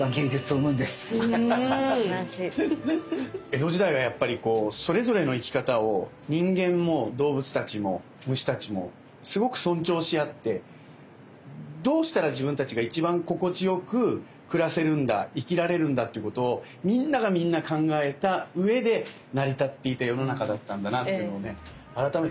江戸時代はやっぱりこうそれぞれの生き方をどうしたら自分たちが一番心地よく暮らせるんだ生きられるんだっていうことをみんながみんな考えたうえで成り立っていた世の中だったんだなっていうのをね改めて感じましたね。